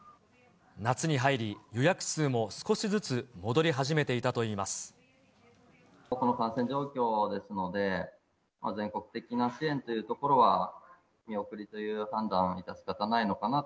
夏に入り、予約数も少しずつこの感染状況ですので、全国的な支援というところは、見送りという判断は致し方ないのかな。